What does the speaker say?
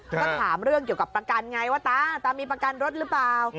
ก็ถามเรื่องเกี่ยวกับประกันไงว่าตาตามีประกันรถหรือเปล่า